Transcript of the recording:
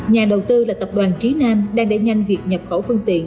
nhà đầu tư là tập đoàn trí nam đang đẩy nhanh việc nhập khẩu phương tiện